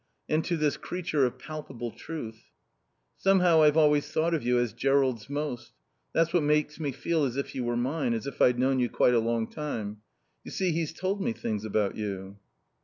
And to this creature of palpable truth. "Somehow, I've always thought of you as Jerrold's most. That's what makes me feel as if you were mine, as if I'd known you quite a long time. You see, he's told me things about you."